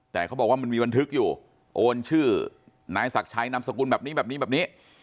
แต่เขาบอกว่ามันมีบันทึกอยู่โอนชื่อนายศักดิ์ชัยนามสกุลแบบนี้แบบนี้แบบนี้